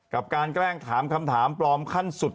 การแกล้งถามคำถามปลอมขั้นสุด